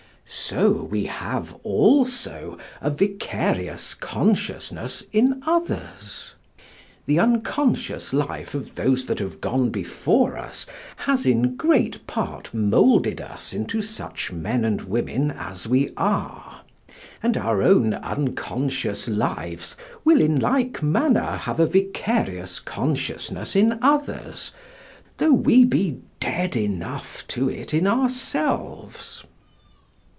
So we have also a vicarious consciousness in others. The unconscious life of those that have gone before us has in great part moulded us into such men and women as we are, and our own unconscious lives will in like manner have a vicarious consciousness in others, though we be dead enough to it in ourselves.